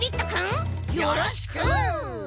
よろしく！